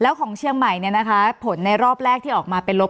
แล้วของเชียงใหม่เนี่ยนะคะผลในรอบแรกที่ออกมาเป็นลบ